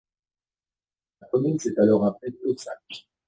La commune s'est alors appelée: Taussac.